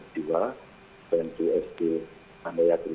ini sd terakhir itu sekitar dua ratus sd